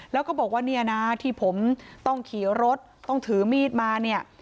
แล้วก็บอกว่าเนี่ยนะที่ผมต้องขี่รถต้องถือมีดมาเนี่ย